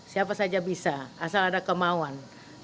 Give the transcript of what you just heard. siapa saja bisa asal ada kemauan